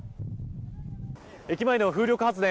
駅前の風力発電